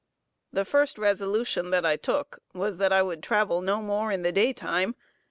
The first resolution that I took was, that I would travel no more in the day time.